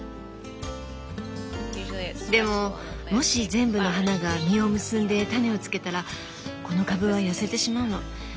でももし全部の花が実を結んで種をつけたらこの株は痩せてしまうの。